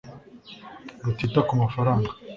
rutita ku mafaranga